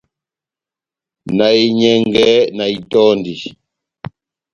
Na enyɛngɛ, na itɔndi.